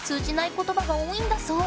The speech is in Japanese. ことばが多いんだそう。